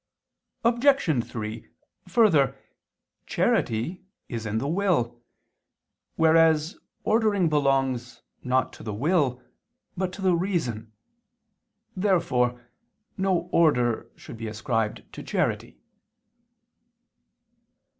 Obj. 3: Further, charity is in the will: whereas ordering belongs, not to the will, but to the reason. Therefore no order should be ascribed to charity.